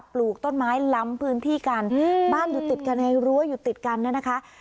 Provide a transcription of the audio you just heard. ปลูกต้นไม้ล้ำพื้นที่กันบ้านอยู่ติดกันในรั้วอยู่ติดกันเนี่ยนะคะ